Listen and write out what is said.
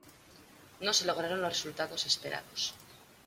No se lograron los resultados esperados.